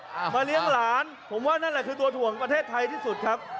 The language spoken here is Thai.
มาเลี้ยงหลานผมว่านั่นแหละคือตัวถ่วงประเทศไทยที่สุดครับ